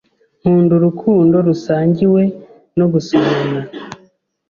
Nkunda urukundo rusangiwe no gusomana